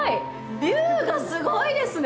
ビューがすごいですね。